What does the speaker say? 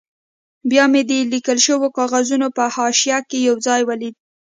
بیا مې د لیکل شوو کاغذونو په حاشیه کې یو ځای ولید.